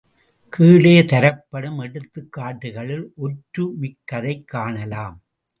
கீழே தரப்படும் எடுத்துக்காட்டுகளில் ஒற்று மிக்கதைக் காணலாம்.